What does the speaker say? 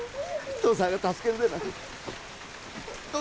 父さんが助けるでな梨央